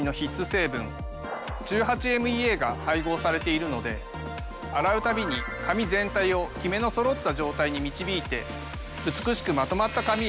成分１８−ＭＥＡが配合されているので洗うたびに髪全体をキメのそろった状態に導いて。